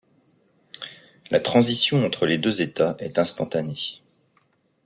La transition entre les deux états est instantanée.